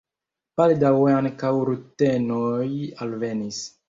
Baldaŭe ankaŭ rutenoj alvenis.